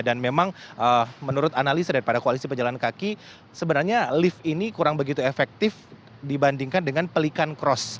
dan memang menurut analisa daripada koalisi pejalan kaki sebenarnya lift ini kurang begitu efektif dibandingkan dengan pelikan cross